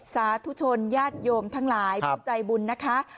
สาธุชนญาติโยมทั้งหลายผู้ใจบุญนะคะ